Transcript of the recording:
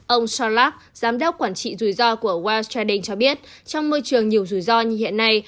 ông solark giám đốc quản trị rủi ro của wall straden cho biết trong môi trường nhiều rủi ro như hiện nay